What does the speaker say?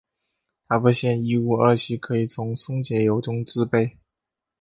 他发现异戊二烯可以从松节油中制备。